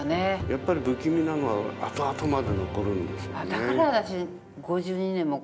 やっぱり不気味なのは後々まで残るんですよね。